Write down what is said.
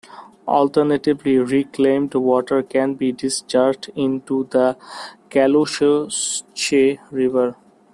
Alternatively, reclaimed water can be discharged into the Caloosahatchee River.